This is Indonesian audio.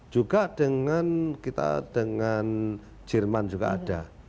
juga dengan kita dengan jerman juga ada